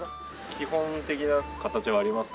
基本的な形はありますけどま